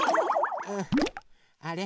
あれ？